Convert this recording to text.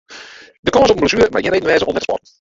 De kâns op in blessuere mei gjin reden wêze om net te sporten.